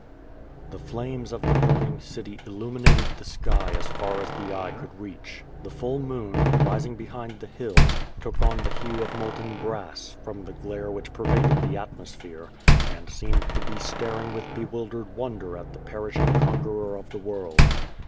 The flames of the burning city illuminated the sky as far as the eye could reach. The full moon, rising behind the hills, took on the hue of molten brass, from the glare which pervaded the atmosphere, and seemed to be staring with bewildered wonder at the perishing conqueror of the world.